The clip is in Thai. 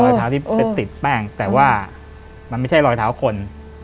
รอยเท้าที่ไปติดแป้งแต่ว่ามันไม่ใช่รอยเท้าคน